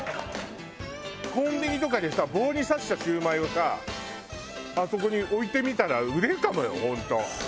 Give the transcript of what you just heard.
コンビニとかでさ棒に刺したシュウマイをさあそこに置いてみたら売れるかもよ本当。